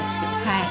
はい。